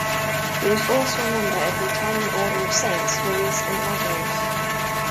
He was also a member of the Italian Order of Saints Maurice and Lazarus.